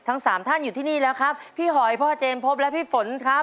ทั้งสามท่านอยู่ที่นี่แล้วครับพี่หอยพ่อเจมส์พบและพี่ฝนครับ